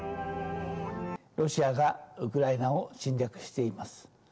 ロシアがウクライナを侵略しています。